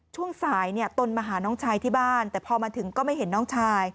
ช่วงสายตนมาหาน้องชายที่บ้านแต่พอมาถึงก็ไม่เห็นน้องชาย